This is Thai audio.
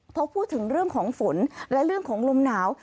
พอพูดถึงเรื่องของฝนและเรื่องของลมหนาว